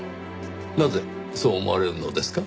なぜそう思われるのですか？